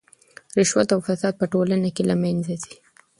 رشوت او فساد په ټولنه کې له منځه ځي.